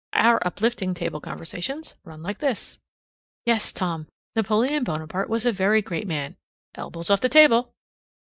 Our uplifting table conversations run like this: "Yes, Tom, Napoleon Bonaparte was a very great man elbows off the table.